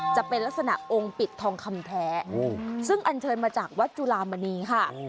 จะเป็นลักษณะองค์ปิดทองคำแท้ซึ่งอันเชิญมาจากวัดจุลามณีค่ะ